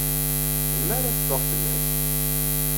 Melmi ara teffeɣ fell-ak?